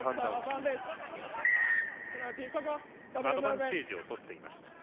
アドバンテージをみています。